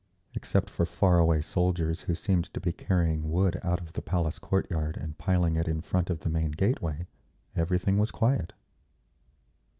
Except for far away soldiers who seemed to be carrying wood out of the Palace courtyard and piling it in front of the main gateway, everything was quiet.